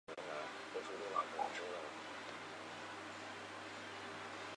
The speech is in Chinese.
广告也太多了吧